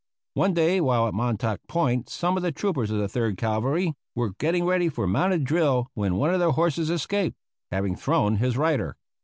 One day while at Montauk Point some of the troopers of the Third Cavalry were getting ready for mounted drill when one of their horses escaped, having thrown his rider.